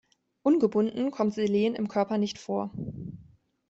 Ungebunden kommt Selen im Körper nicht vor.